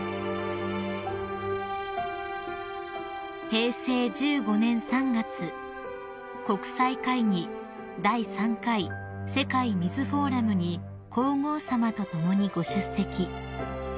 ［平成１５年３月国際会議第３回世界水フォーラムに皇后さまと共にご出席］